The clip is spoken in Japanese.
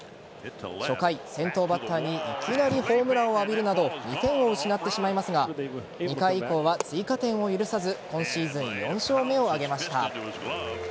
初回、先頭バッターにいきなりホームランを浴びるなど２点を失ってしまいますが２回以降は追加点を許さず今シーズン４勝目を挙げました。